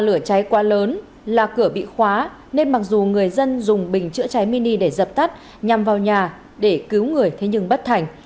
do lửa cháy quá lớn là cửa bị khóa nên mặc dù người dân dùng bình chữa cháy mini để dập tắt nhằm vào nhà để cứu người thế nhưng bất thành